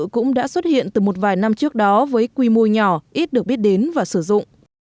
các dịch vụ tương tự cũng đã xuất hiện từ một vài năm trước đó với quy mô nhỏ ít được biết đến và sử dụng